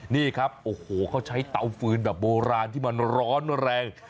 นี่ครับโอ้โหเขาใช้เตาฟืนแบบโบราณที่มันร้อนแรง